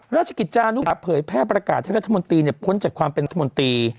ราชกิจจานุเผยแพร่ประกาศให้รัฐมนตรีพ้นจากความเป็นรัฐมนตรี